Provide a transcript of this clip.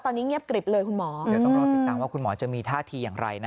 ตอนนี้เงียบกริบเลยคุณหมอเดี๋ยวต้องรอติดตามว่าคุณหมอจะมีท่าทีอย่างไรนะ